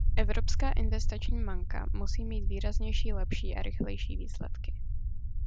Evropská investiční banka musí mít výraznější, lepší a rychlejší výsledky.